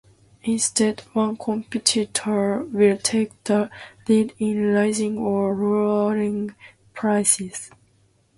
Instead, one competitor will take the lead in raising or lowering prices.